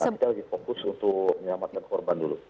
kita lagi fokus untuk menyelamatkan korban dulu